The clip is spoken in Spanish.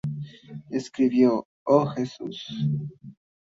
Escribió: ""¡Oh Jesús!...